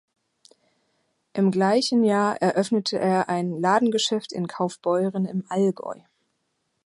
Im gleichen Jahr eröffnete er ein Ladengeschäft in Kaufbeuren im Allgäu.